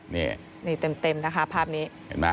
นี่เต็มนะคะภาพนี้